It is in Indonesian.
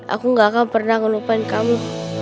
aku gak akan pernah ngelupain kamu